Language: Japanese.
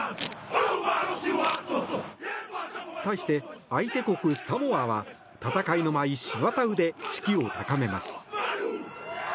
対して相手国サモアは戦いの舞、シヴァタウで士気を高めます。